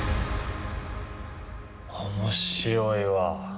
面白いわ。